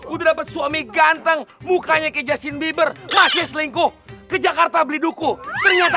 udah dapet suami ganteng mukanya kejasin bieber masih selingkuh ke jakarta beli duku ternyata